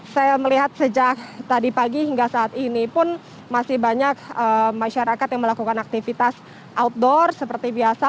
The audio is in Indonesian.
saya melihat sejak tadi pagi hingga saat ini pun masih banyak masyarakat yang melakukan aktivitas outdoor seperti biasa